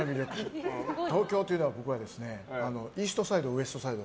東京というのはイーストサイド、ウエストサイド